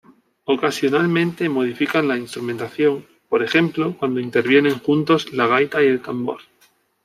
Ocasionalmente modifican la instrumentación, por ejemplo cuando intervienen juntos la gaita y el tambor.